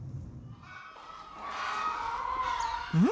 ・うん？